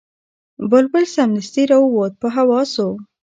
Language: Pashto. بلبل سمدستي را ووت په هوا سو